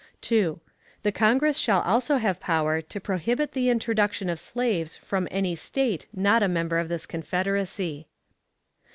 2. The Congress shall also have power to prohibit the introduction of slaves from any State not a member of this Confederacy.